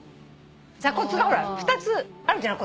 座骨が２つあるじゃない？